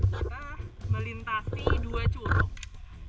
kita melintasi dua curug